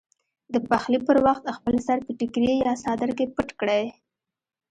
د پخلي پر وخت خپل سر په ټیکري یا څادر کې پټ کړئ.